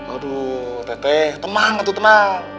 aduh teteh tenang